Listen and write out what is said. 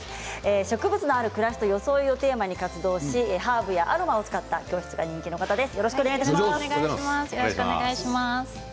植物のある暮らしと装いをテーマに活動しハーブやアロマを使った教室が人気の方です。